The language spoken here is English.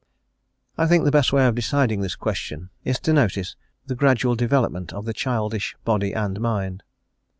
I think the best way of deciding this question is to notice the gradual development of the childish body and mind.